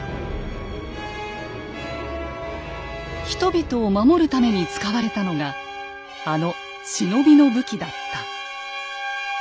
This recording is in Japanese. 人々を守るために使われたのがあの忍びの武器だった。